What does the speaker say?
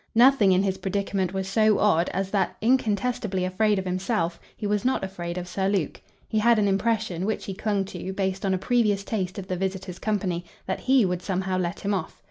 Nothing in his predicament was so odd as that, incontestably afraid of himself, he was not afraid of Sir Luke. He had an impression, which he clung to, based on a previous taste of the visitor's company, that HE would somehow let him off.